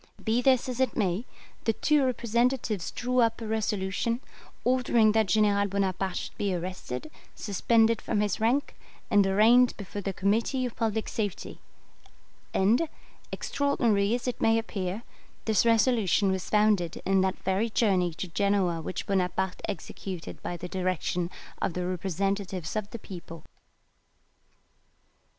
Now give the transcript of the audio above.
Be this as it may, the two representatives drew up a resolution, ordering that General Bonaparte should be arrested, suspended from his rank, and arraigned before the Committee of Public Safety; and, extraordinary as it may appear, this resolution was founded in that very journey to Genoa which Bonaparte executed by the direction of the representatives of the people.